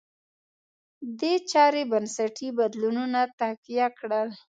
دې چارې بنسټي بدلونونه تقویه کړل.